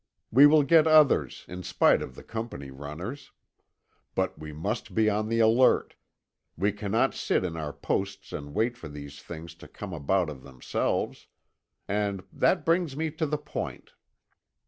We will get others, in spite of the Company runners. But we must be on the alert; we cannot sit in our posts and wait for these things to come about of themselves. And that brings me to the point.